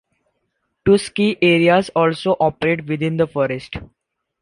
Two ski areas also operate within the forest.